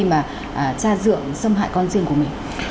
mà tra dượng xâm hại con riêng của mẹ